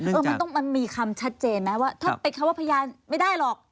มันต้องมีคำชัดเจนนะถ้าเป็นคำว่าพยานไม่ได้หรอก